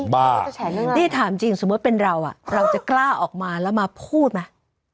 นี่ถามจริงสมมุติเป็นเราเราจะกล้าออกมาแล้วมาพูดไหม